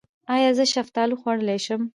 ایا زه شفتالو خوړلی شم؟